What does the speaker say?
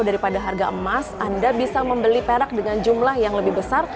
daripada harga emas anda bisa membeli perak dengan jumlah yang lebih besar